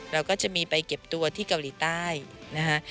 เราก็จะมีไปเก็บตัวที่เกาหลีใต้นะคะ